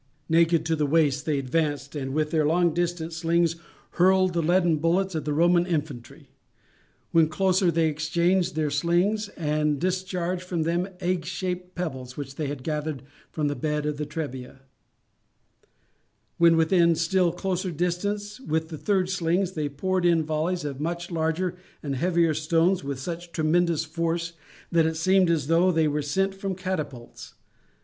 Naked to the waist they advanced, and with their long distance slings hurled the leaden bullets at the Roman infantry. When closer they exchanged their slings and discharged from them egg shaped pebbles which they had gathered from the bed of the Trebia. When within still closer distance with the third slings they poured in volleys of much larger and heavier stones, with such tremendous force that it seemed as though they were sent from catapults.